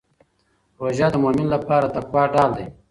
روژه د مؤمن لپاره د تقوا ډال دی.